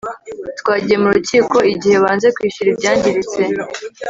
twagiye mu rukiko igihe banze kwishyura ibyangiritse